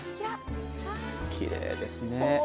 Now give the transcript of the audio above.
きれいですね。